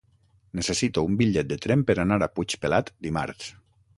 Necessito un bitllet de tren per anar a Puigpelat dimarts.